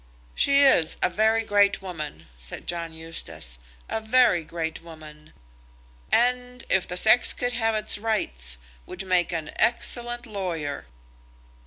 "She is a very great woman," said John Eustace, "a very great woman; and, if the sex could have its rights, would make an excellent lawyer."